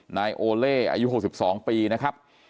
นายโอเล่อายุ๖๒ปีนะครับ